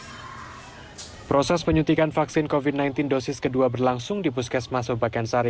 hai proses penyuntikan vaksin covid sembilan belas dosis kedua berlangsung di puskesmas bebakan sari